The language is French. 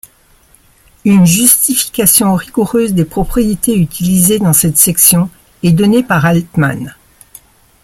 Une justification rigoureuse des propriétés utilisées dans cette section est donnée par Altmann.